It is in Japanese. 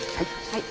はい。